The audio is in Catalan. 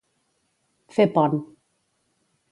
Fer pont.